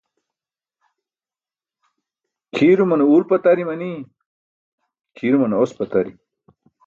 Kʰiirumane uwl pʰatari manii, kʰiirumane os pʰatari.